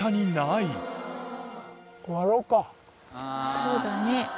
そうだね。